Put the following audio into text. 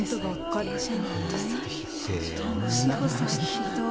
ひどい。